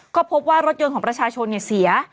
ก็พบว่ารถยนต์ของประชาชนเสีย